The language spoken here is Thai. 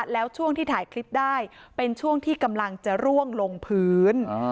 แล้วช่วงที่ถ่ายคลิปได้เป็นช่วงที่กำลังจะร่วงลงพื้น